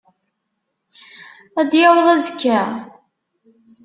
Ad d-yaweḍ azekka?